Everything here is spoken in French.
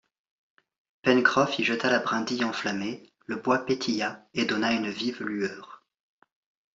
Pencroff y jeta la brindille enflammée, le bois pétilla et donna une vive lueur.